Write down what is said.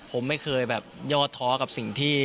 ผมไม่เคยแบบยอดท้อกับสิ่งที่